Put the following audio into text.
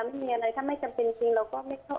ไม่มีอะไรถ้าไม่จำเป็นจริงเราก็